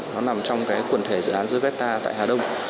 nó nằm trong quần thể dự án gia vesta tại hà đông